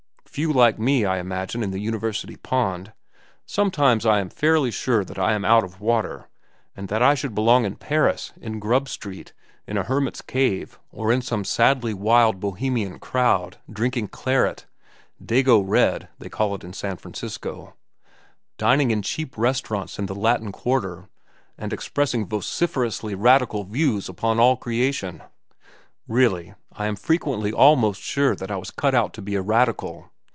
"Few like me, I imagine, in the university pond. Sometimes I am fairly sure I am out of water, and that I should belong in Paris, in Grub Street, in a hermit's cave, or in some sadly wild Bohemian crowd, drinking claret,—dago red they call it in San Francisco,—dining in cheap restaurants in the Latin Quarter, and expressing vociferously radical views upon all creation. Really, I am frequently almost sure that I was cut out to be a radical.